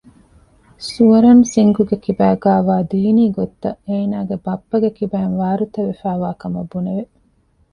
ސުވަރަންސިންގ ގެ ކިބައިގައިވާ ދީނީ ގޮތްތައް އޭނާގެ ބައްޕަގެ ކިބައިން ވާރުތަވެފައިވާ ކަމަށް ބުނެވެ